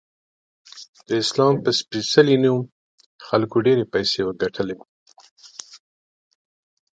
د اسلام په سپیڅلې نوم خلکو ډیرې پیسې وګټلی